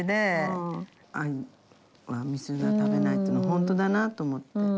藍は虫が食べないっていうの本当だなと思って。